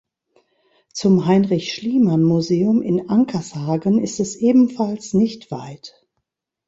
Zum Heinrich Schliemann-Museum in Ankershagen ist es ebenfalls nicht weit.